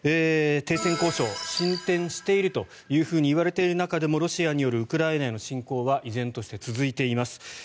停戦交渉は進展しているといわれている中でロシアによるウクライナへの侵攻は依然として続いています。